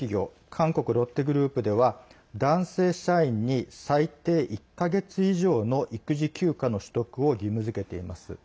韓国ロッテグループでは男性社員に最低１か月以上の育児休暇の取得を義務付けています。